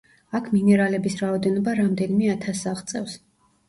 აქ მინერალების რაოდენობა რამდენიმე ათასს აღწევს.